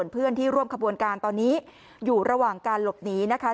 เพื่อนที่ร่วมขบวนการตอนนี้อยู่ระหว่างการหลบหนีนะคะ